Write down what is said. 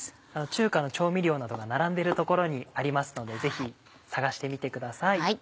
中華の調味料などが並んでる所にありますのでぜひ探してみてください。